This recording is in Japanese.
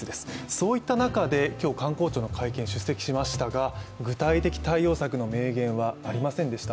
そういった中で今日、官公庁の会見に出席しましたが具体的な対策はありませんでした。